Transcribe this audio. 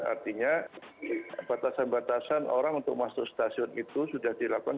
artinya batasan batasan orang untuk masuk stasiun itu sudah dilakukan